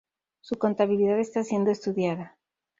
Su contabilidad está siendo estudiada.